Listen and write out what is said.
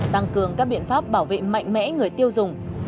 tăng cường các biện pháp bảo vệ mạnh mẽ người tiêu dùng